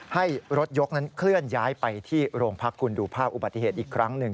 ให้รถยกนั้นเคลื่อนย้ายไปที่โรงพักคุณดูภาพอุบัติเหตุอีกครั้งหนึ่ง